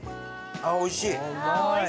ああおいしい！